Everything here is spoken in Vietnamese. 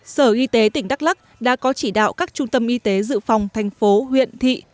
sở y tế tỉnh đắk lắc đã có chỉ đạo các trung tâm y tế dự phòng thành phố huyện thị